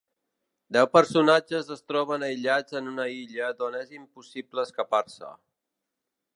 Deu personatges es troben aïllats en una illa d'on és impossible escapar-se.